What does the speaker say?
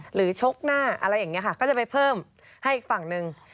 ชกหน้าอะไรอย่างนี้ค่ะก็จะไปเพิ่มให้อีกฝั่งหนึ่ง